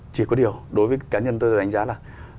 chỉ có điều đối với cá nhân tôi đánh giá là